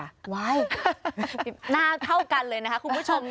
หน้าเท่ากันเลยนะคะคุณผู้ชม